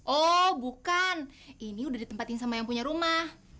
oh bukan ini sudah ditempatkan sama yang punya rumah